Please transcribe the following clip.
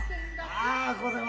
ああこれは。